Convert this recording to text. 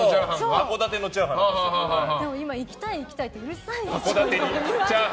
今、行きたい行きたいってうるさいんですよ。